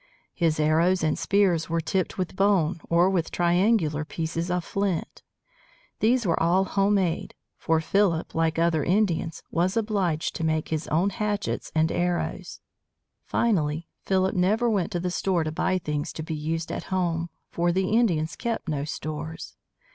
His arrows and spears were tipped with bone or with triangular pieces of flint. These were all home made, for Philip, like other Indians, was obliged to make his own hatchets and arrows. Finally, Philip never went to the store to buy things to be used at home, for the Indians kept no stores.